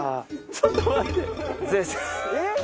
ちょっと待って。